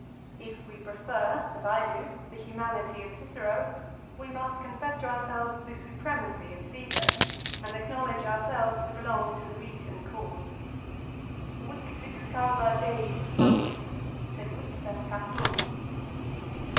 If we prefer, as I do, the humanity of Cicero, we must confess to ourselves the supre macy of Caesar, and acknowledge ourselves to belong to the 30 LIFE 'OF (UCERO. beaten cause. " Victrix causa Deis placuit ; sed victa Catoni."